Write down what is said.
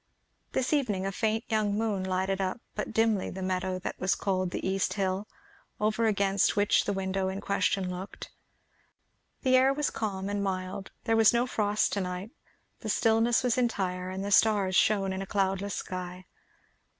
This evening a faint young moon lighted up but dimly the meadow and what was called the "east hill," over against which the window in question looked. The air was calm and mild; there was no frost to night; the stillness was entire, and the stars shone in a cloudless sky.